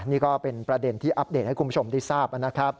นี่ก็เป็นประเด็นที่อัปเดตให้คุณผู้ชมได้ทราบนะครับ